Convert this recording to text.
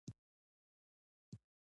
چنګلونه د افغانستان د طبیعت برخه ده.